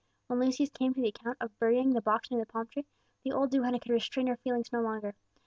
When Lucius came to the account of burying the box near the palm tree, the old duenna could restrain her feelings no longer.